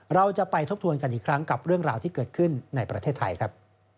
เราจะไปทบทวนกันอีกครั้งกับเรื่องราวที่เกิดขึ้นในประเทศไทยครับ